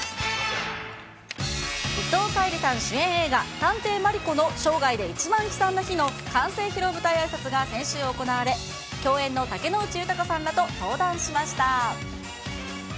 伊藤沙莉さん主演映画、探偵マリコの生涯で一番悲惨な日の完成披露舞台あいさつが先週行われ、共演の竹野内豊さんらと登壇しました。